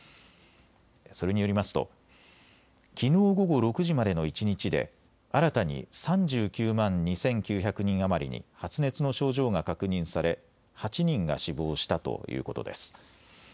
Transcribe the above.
それによりますときのう午後６時までの一日で新たに３９万２９００人余りに発熱の症状が確認され８人が死亡したということです。